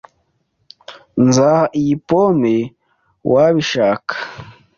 Nzaha iyi pome uwabishaka.